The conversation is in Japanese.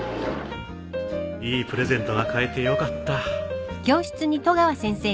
いいプレゼントが買えてよかった